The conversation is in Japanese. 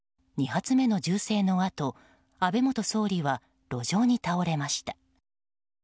２発目の銃声の後安倍元総理は路上に倒れました。